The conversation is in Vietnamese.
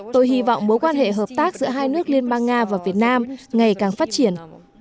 tôi hy vọng mối quan hệ hợp tác giữa hai nước liên bang nga và việt nam ngày càng phát triển